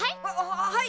はい！